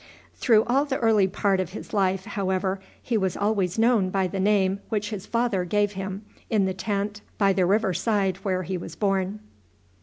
Through all the early part of his life, however, he was always known by the name which his father gave him in the tent by the river side where he was born.